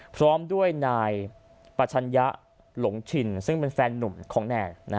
พร้อมด้วยนายปัชญะหลงชินซึ่งเป็นแฟนหนุ่มของแนน